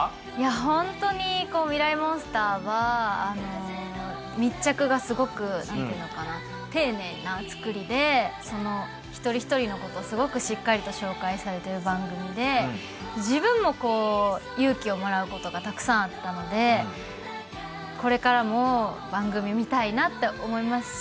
ホントに『ミライ☆モンスター』は密着がすごく丁寧な作りで一人一人のことすごくしっかりと紹介されてる番組で自分も勇気をもらうことがたくさんあったのでこれからも番組見たいなって思いますし。